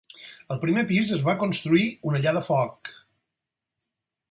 Al primer pis es va construir una llar de foc.